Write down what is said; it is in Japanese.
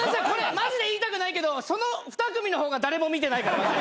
これマジで言いたくないけどその２組の方が誰も見てないから。